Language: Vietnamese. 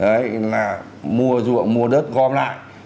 dụ dỗ mấy ông nông dân là mua ruộng mua đất gom lại